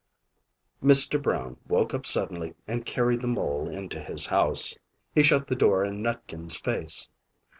Mr. Brown woke up suddenly and carried the mole into his house. He shut the door in Nutkin's face.